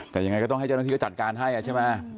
แต่ยังไงก็ต้องให้เจ้าหน้าที่ก็จัดการให้ใช่ไหม